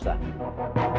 dari ibu rosa